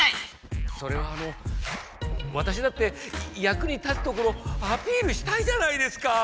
それはあのわたしだってやくに立つところアピールしたいじゃないですか！